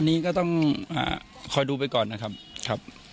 อันนี้ก็ต้องคอยดูไปก่อนนะครับครับ